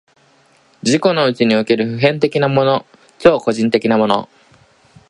自己のうちにおける普遍的なもの、超個人的なもの、